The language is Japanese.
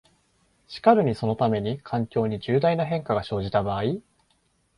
しかるにそのために、環境に重大な変化が生じた場合、